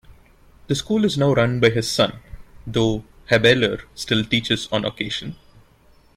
The school is now run by his son, though Habeler still teaches on occasion.